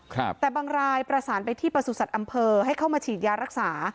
ครับแต่บางรายประสานไปที่ประสุทธิ์อำเภอให้เข้ามาฉีดยารักษา